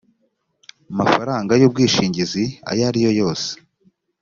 mafaranga y ubwishingizi ayo ariyo yose